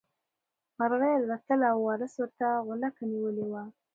مرغۍ الوتله او وارث ورته غولکه نیولې وه.